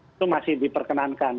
itu masih diperkenankan